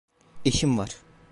İşim var.